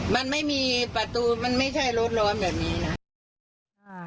มันไม่มีประตูไม่ใช่รถร้อนอย่างนี้นะ